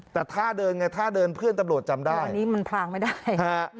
แต่ท่าเดินไงท่าเดินเพื่อนตำรวจจำได้อันนี้มันพลางไม่ได้ฮะ